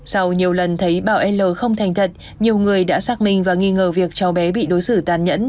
sau nhiều lần thấy bảo l không thành thật nhiều người đã xác minh và nghi ngờ việc cháu bé bị đối xử tàn nhẫn